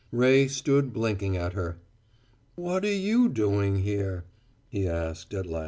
Ray stood blinking at her. "What are you doing here?" he asked, at last.